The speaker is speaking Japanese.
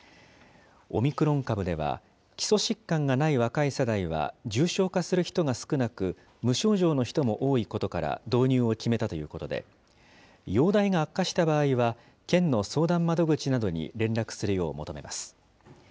オミクロン株では、基礎疾患がない若い世代は重症化する人が少なく、無症状の人も多いことから導入を決めたということで、容体が悪化した場合は、県の相談窓口などに連絡するよう求めます。